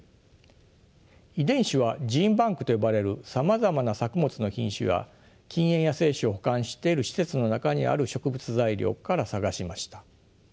遺伝子はジーンバンクと呼ばれるさまざまな作物の品種や近縁野生種を保管している施設の中にある植物材料から探しました。